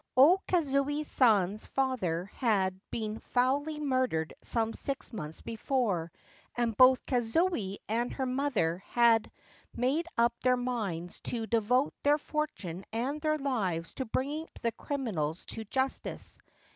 O Kazuye San's father had been foully murdered: some six months before, and both Kazuye and her mother had made up their minds to devote their fortune and their lives to bringing the criminals to justice.